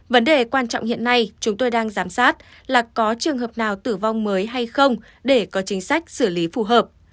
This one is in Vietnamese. vấn đề quan trọng hiện nay chúng tôi đang giám sát là có trường hợp nào tử vong mới hay không để có chính sách xử lý phù hợp